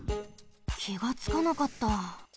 きがつかなかった。